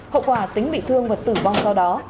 hậu quả tính bị thương và tử vong sau đó